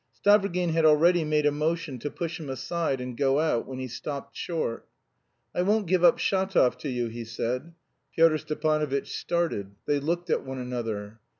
Stavrogin had already made a motion to push him aside and go out, when he stopped short. "I won't give up Shatov to you," he said. Pyotr Stepanovitch started. They looked at one another.